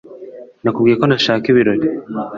Nakubwiye ko ntashaka ibirori.